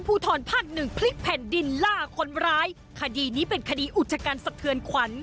ทรภาคหนึ่งพลิกแผ่นดินล่าคนร้ายคดีนี้เป็นคดีอุจกันสะเทือนขวัญ